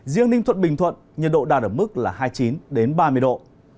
riêng ninh thuận bình thuận nhiệt độ đạt ở mức là hai mươi chín ba mươi độ